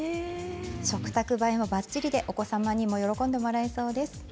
食卓映えもばっちりでお子様にも喜んでもらえそうです。